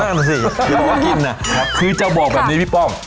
นั่นสิอย่าบอกว่ากินน่ะคือเจ้าบอกแบบนี้พี่ป้อง